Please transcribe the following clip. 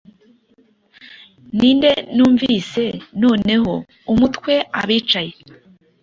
Ninde numvise noneho umutwe-abicaye